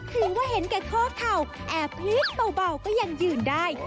ถึงว่าเห็นแก่ข้อเข่าแอบพลิกเบาก็ยังยืนได้